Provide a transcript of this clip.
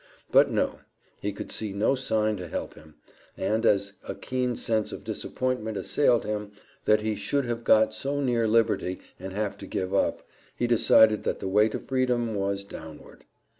But no; he could see no sign to help him, and, as a keen sense of disappointment assailed him that he should have got so near liberty and have to give up, he decided that the way to freedom was downward.